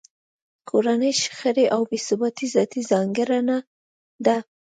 کورنۍ شخړې او بې ثباتۍ ذاتي ځانګړنه ده